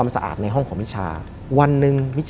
และไม่เคยเข้าไปในห้องมิชชาเลยแม้แต่ครั้งเดียว